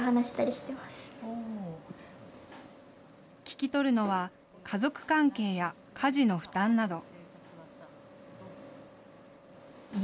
聞き取るのは家族関係や家事の負担など。